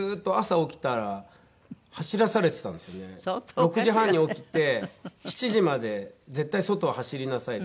「６時半に起きて７時まで絶対外を走りなさい」って。